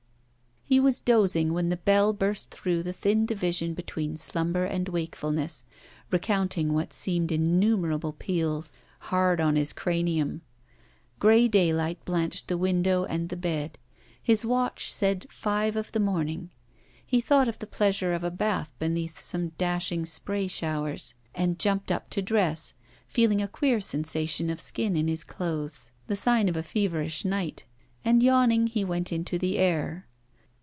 He was dozing when the Bell burst through the thin division between slumber and wakefulness, recounting what seemed innumerable peals, hard on his cranium. Gray daylight blanched the window and the bed: his watch said five of the morning. He thought of the pleasure of a bath beneath some dashing spray showers; and jumped up to dress, feeling a queer sensation of skin in his clothes, the sign of a feverish night; and yawning he went into the air.